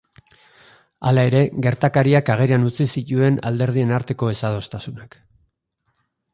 Hala ere, gertakariak agerian utzi zituen alderdien arteko ezadostasunak.